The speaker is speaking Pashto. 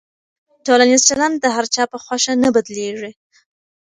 ټولنیز چلند د هر چا په خوښه نه بدلېږي.